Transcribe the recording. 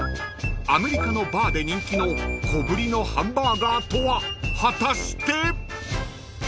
［アメリカのバーで人気の小ぶりのハンバーガーとは果たして？］